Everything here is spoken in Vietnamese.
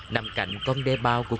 nằm cạnh con đe bao của cô